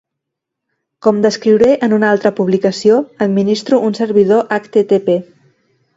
Com descriuré en una altra publicació, administro un servidor HTTP.